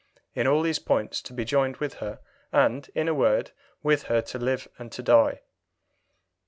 In all these points to be joined with her, and, in a word, with her to live and to die."